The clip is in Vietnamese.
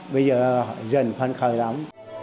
bây giờ dần phân khởi lắm